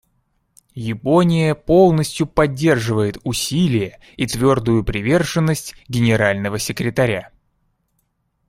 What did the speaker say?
Япония полностью поддерживает усилия и твердую приверженность Генерального секретаря.